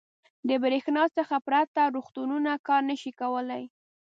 • د برېښنا څخه پرته روغتونونه کار نه شي کولی.